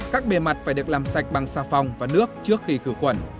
các bề mặt phải được làm sạch bằng xà phòng và nước trước khi khử khuẩn